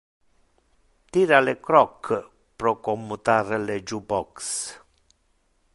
Tira le croc pro commutar le jukebox.